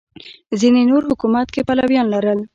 ځینې نور حکومت کې پلویان لرل